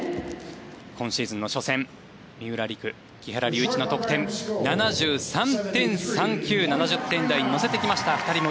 今シーズンの初戦三浦璃来、木原龍一の得点は７３．３９７０点台に乗せてきました。